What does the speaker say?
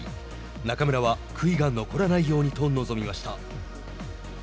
中村は、悔いが残らないようにと臨みました。